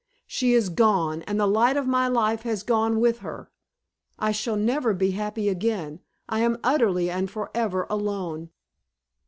She is gone, and the light of my life has gone with her. I shall never be happy again. I am utterly and forever alone!"